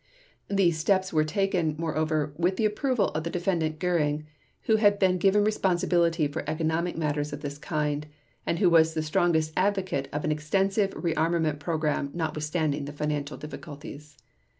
These steps were taken, moreover, with the approval of the Defendant Göring, who had been given responsibility for economic matters of this kind, and who was the strongest advocate of an extensive rearmament program notwithstanding the financial difficulties.